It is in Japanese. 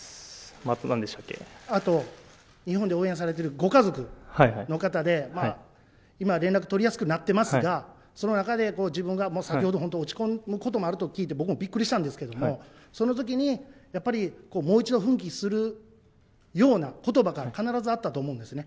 あと、あと、日本で応援されてるご家族の方で、今、連絡取りやすくなってますが、その中で自分が、先ほど、落ち込むこともあると聞いて僕もびっくりしたんですけど、そのときにやっぱり、もう一度奮起するようなことばが必ずあったと思うんですね。